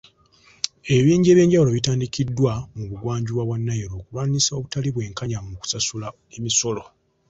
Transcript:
Ebibinja eby'enjawulo bitandikiddwa mu bugwanjuba bwa Nile okulwanyisa obutali bwekanya mu kusasula emisolo.